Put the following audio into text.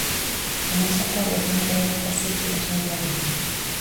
E máis acordos en materia de infraestruturas sanitarias.